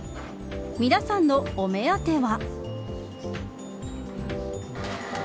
皆さんのお目当ては。